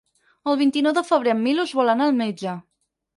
El vint-i-nou de febrer en Milos vol anar al metge.